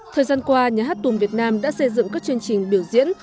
thời gian qua nhà hát tuồng việt nam đã xây dựng các chương trình biểu diễn